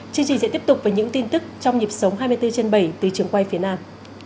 chương trình sẽ tiếp tục với những tin tức trong nhịp sống hai mươi bốn trên bảy từ trường quay phía nam